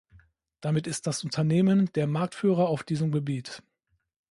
Damit ist das Unternehmen der Marktführer auf diesem Gebiet.